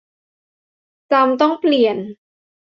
จำต้องเปลี่ยน